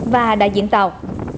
và đại diện tàu